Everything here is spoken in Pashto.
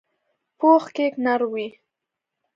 پوخ کیک نر وي